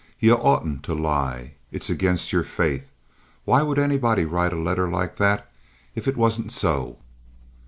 "Ye oughtn't to lie. It's against your faith. Why would anybody write a letter like that if it wasn't so?"